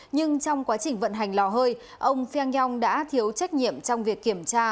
nhưng trong quá trình vận hành lò hơi ông feng yong đã thiếu trách nhiệm trong việc kiểm tra